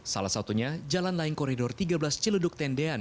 salah satunya jalan layang koridor tiga belas celeduk tendean